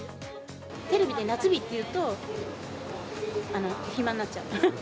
テレビで夏日って言うと、暇になっちゃう。